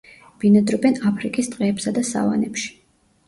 ბინადრობენ აფრიკის ტყეებსა და სავანებში.